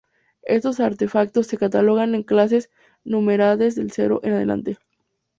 Estos artefactos se catalogan en clases, numeradas del cero en adelante.